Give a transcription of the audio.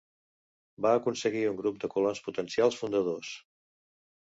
Va aconseguir un grup de colons potencials fundadors.